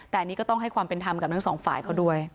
แต่อันนี้ก็ต้องให้ความเป็นธรรมกับทั้งสองฝ่ายเขาด้วย